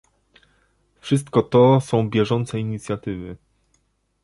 Wszystko to są bieżące inicjatywy